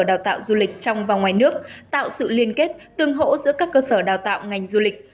đào tạo du lịch trong và ngoài nước tạo sự liên kết tương hỗ giữa các cơ sở đào tạo ngành du lịch